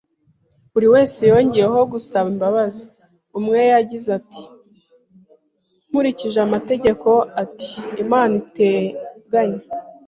buri wese yongeyeho gusaba imbabazi. Umwe yagize ati: “Nkurikije amategeko. Ati: "Inama iteganya."